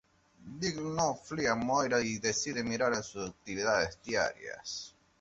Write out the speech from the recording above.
Diggle no se fía de Moira y decide mirar en sus actividades diarias.